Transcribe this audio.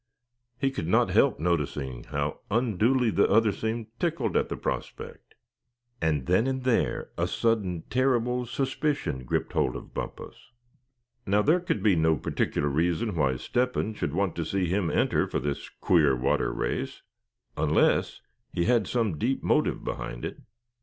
He could not help noticing how unduly the other seemed tickled at the prospect. And then and there a sudden terrible suspicion gripped hold of Bumpus. Now, there could be no particular reason why Step hen should want to see him enter for this queer water race, unless he had some deep motive behind it.